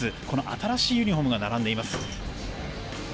新しいユニホームが並んでいます。